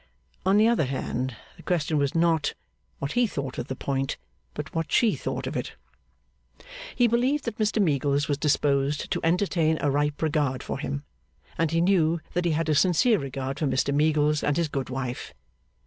On the other hand, the question was, not what he thought of the point, but what she thought of it. He believed that Mr Meagles was disposed to entertain a ripe regard for him, and he knew that he had a sincere regard for Mr Meagles and his good wife.